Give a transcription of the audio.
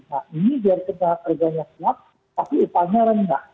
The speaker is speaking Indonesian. nah ini biar kerjaannya selat tapi upahnya rendah